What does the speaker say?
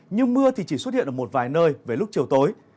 nhưng mưa thì chỉ xuất hiện ở một vài nơi với lúc chiều tối